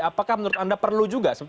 apakah menurut anda perlu juga